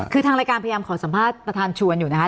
คือทางรายการพยายามขอสัมภาษณ์ประธานชวนอยู่นะคะ